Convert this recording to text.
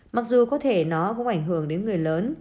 mặc dù có thể nó cũng ảnh hưởng đến người lớn